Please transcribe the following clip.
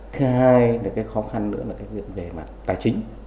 thứ hai là cái khó khăn nữa là cái việc về mặt tài chính